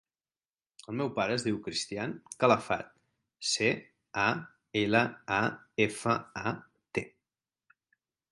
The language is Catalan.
El meu pare es diu Cristián Calafat: ce, a, ela, a, efa, a, te.